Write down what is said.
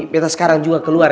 betta sekarang juga keluar ya